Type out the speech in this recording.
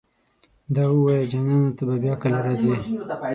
دا اووايه جانانه ته به بيا کله راځې